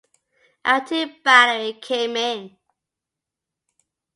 Our tea battery came in.